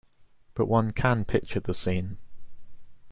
But one can picture the scene.